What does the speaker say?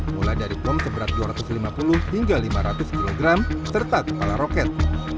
mulai dari bom seberat dua ratus lima puluh hingga lima ratus kg serta kepala roket